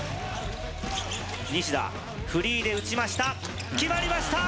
西田、フリーで打ちました。